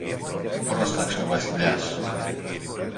πρόσταξε ο Βασιλιάς.